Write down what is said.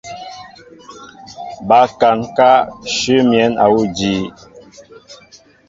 Ba kaŋ ká nshu miǝn awuŭ àjii.